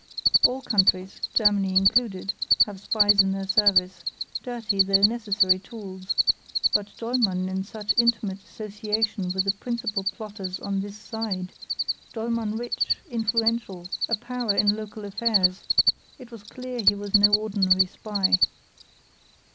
All countries, Germany included, have spies in their service, dirty though necessary tools; but Dollmann in such intimate association with the principal plotters on this side; Dollmann rich, influential, a power in local affairs—it was clear he was no ordinary spy.